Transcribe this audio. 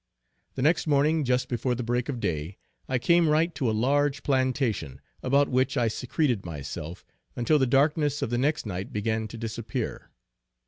The next morning just before the break of day, I came right to a large plantation, about which I secreted myself, until the darkness of the next night began to disappear.